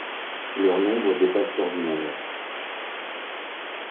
Leur nombre dépasse l'ordinaire.